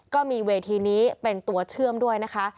ก็มีเวทีนี้เป็นตัวเชื่อมด้วยนะคะ